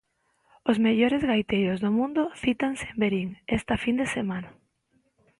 Os mellores gaiteiros do mundo cítanse en Verín esta fin de semana.